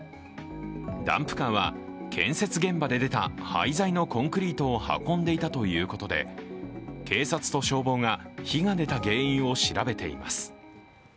ダンプカーは建設現場で出た廃材のコンクリートを運んでいたということで、警察と消防が火が出た原因を調べています。